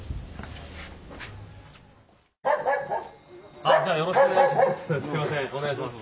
あっじゃあよろしくお願いします。